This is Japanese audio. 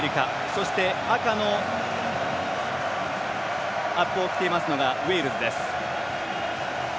そして赤のアップを着ているのがウェールズです。